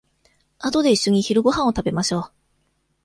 あとでいっしょに昼ごはんを食べましょう。